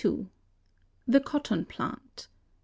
THE COTTON PLANT.